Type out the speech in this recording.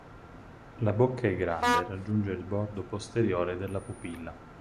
La bocca è grande e raggiunge il bordo posteriore della pupilla.